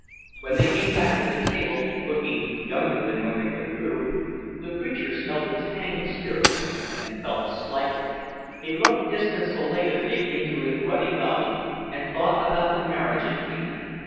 When they came back to the table, looking younger than when they withdrew, the preacher smelled the tang of spirits and felt slighted. He looked disconsolately into his ruddy goblet and thought about the marriage at Cana.